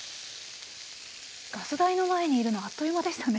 ガス台の前にいるのあっという間でしたね。